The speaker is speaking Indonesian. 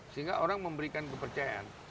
sehingga orang memberikan kepercayaan